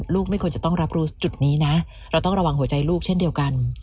ไม่ควรจะต้องรับรู้จุดนี้นะเราต้องระวังหัวใจลูกเช่นเดียวกัน